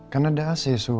kan ada ac su